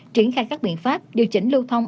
triển khai các biện pháp điều chỉnh lưu thông